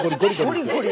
ゴリゴリ！